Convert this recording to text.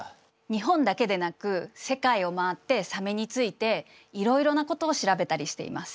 日本だけでなく世界を回ってサメについていろいろなことを調べたりしています。